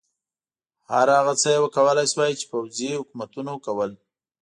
هر هغه څه یې کولای شول چې پوځي حکومتونو کول.